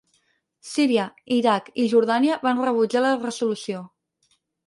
Síria, Iraq i Jordània van rebutjar la resolució.